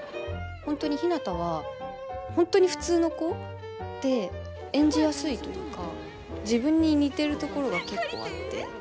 本当にひなたは本当に普通の子で演じやすいというか自分に似てるところが結構あって。